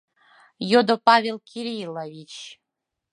— йодо Павел Ки риллович.